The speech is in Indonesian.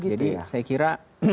jadi saya kira